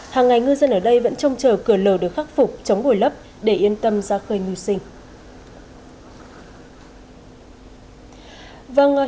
hàng ngày ngư dân ở đây vẫn trông chờ cửa lở được khắc phục chống bồi lấp để yên tâm ra khơi ngư sinh